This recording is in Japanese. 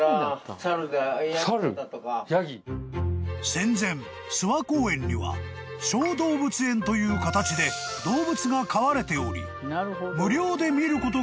［戦前諏訪公園には小動物園という形で動物が飼われており］